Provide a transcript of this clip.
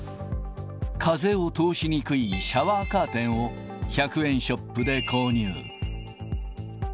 風を通しにくいシャワーカーテンを１００円ショップで購入。